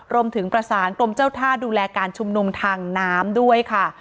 รวมถึงประสานกรมเจ้าท่าดูแลการชุมนุมทางน้ำด้วยค่ะ